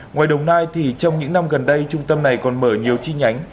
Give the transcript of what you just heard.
ngoài đồng nai thì trong những năm gần đây trung tâm này còn mở nhiều chi nhánh